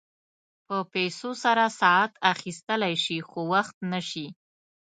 په پیسو سره ساعت اخيستلی شې خو وخت نه شې.